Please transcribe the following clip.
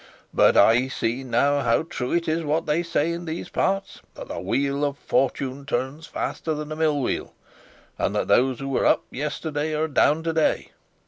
But I see now how true it is what they say in these parts, that the wheel of fortune turns faster than a mill wheel, and that those who were up yesterday are down to day.